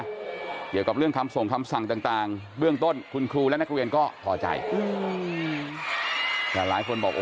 เรื่องทางคำส่งคำสั่งต่างเบื้องต้นคุณครูและนักการเรียนก็